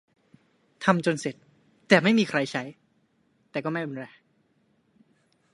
ทำจนเสร็จ แต่ไม่มีใครใช้ - แต่ก็ไม่เป็นไร